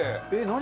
何？